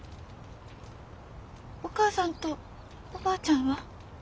お母さんとおばあちゃんは？